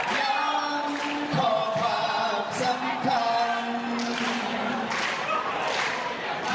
ที่ทำยังขอความสำคัญ